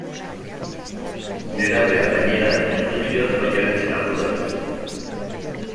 Nerabea, gainera, erlijioaz baino ez zen arduratzen.